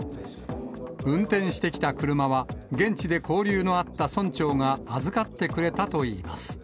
運転してきた車は、現地で交流のあった村長が預かってくれたといいます。